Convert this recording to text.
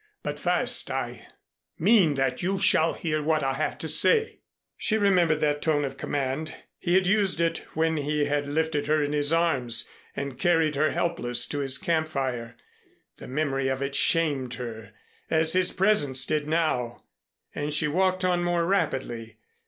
But first I mean that you shall hear what I have to say." She remembered that tone of command. He had used it when he had lifted her in his arms and carried her helpless to his camp fire. The memory of it shamed her, as his presence did now, and she walked on more rapidly.